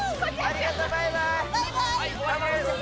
ありがとう、バイバイ。